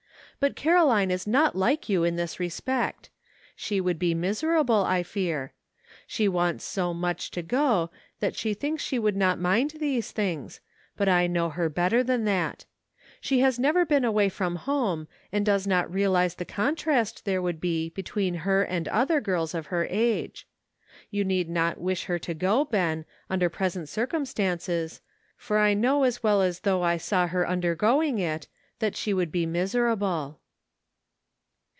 But Caroline is not like you in this respect. She would be miserable, I fear. She wants so much to go, that she thinks she would not mind these things, but I know her better than that. She has never been away from home, and does not realize the contrast there would be between her and other girls of her age. You need not wish her to goy Ben^ undvv 22 . CLOTHES. present circumstances, for I know as well as though I saw her undergoing it, that she would be miserable."